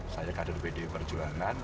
saya kader bdi perjuangan